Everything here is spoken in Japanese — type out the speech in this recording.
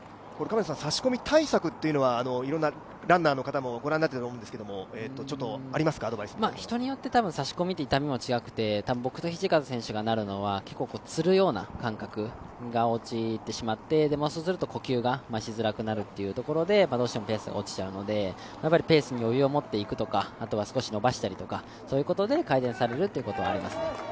差し込み対策というのはいろんなランナーの方もあると思うんですが人によって差し込みって痛みも違くて僕と土方選手がなるのは、つるような感覚に陥ってしまって、そうすると呼吸がしづらくなるということでどうしてもペースが落ちちゃうので、ペースに余裕をもっていくとかあとは少し伸ばしたりとか、そういうことで改善されるということはありますね。